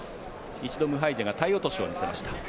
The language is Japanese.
一度ムハイジェが体落としを見せました。